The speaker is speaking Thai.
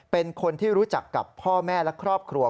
เป็นคนที่รู้จักกับพ่อแม่และครอบครัว